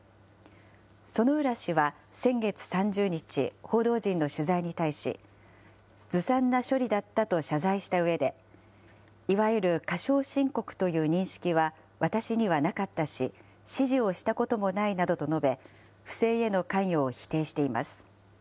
薗浦氏は先月３０日、報道陣の取材に対し、ずさんな処理だったと謝罪したうえで、いわゆる過少申告という認識は私にはなかったし、指示をしたこともないなどと述べ、不正への関与を否定しています。